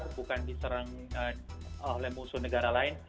bukan diserang oleh musuh negara lain